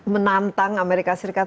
menantang amerika serikat